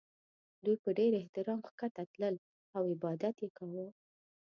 دوی په ډېر احترام ښکته تلل او عبادت یې کاوه.